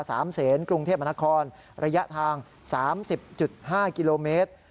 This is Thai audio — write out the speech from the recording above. สามเศษกรุงเทพมนาคอร์ระยะทาง๓๐๕กิโลเมตร